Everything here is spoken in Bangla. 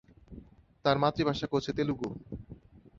তার মাতৃভাষা হচ্ছে তেলুগু।